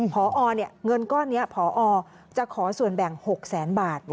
ผอเนี่ยเงินก้อนนี้ผอจะขอส่วนแบ่ง๖๐๐๐๐๐บาท